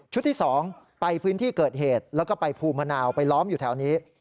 ที่๒ไปพื้นที่เกิดเหตุแล้วก็ไปภูมะนาวไปล้อมอยู่แถวนี้